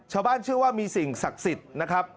เชื่อว่ามีสิ่งศักดิ์สิทธิ์นะครับ